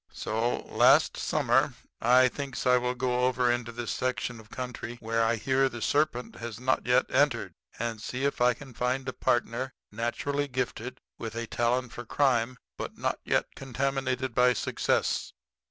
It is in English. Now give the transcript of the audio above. "So, last summer, I thinks I will go over into this section of country where I hear the serpent has not yet entered, and see if I can find a partner naturally gifted with a talent for crime, but not yet contaminated by success.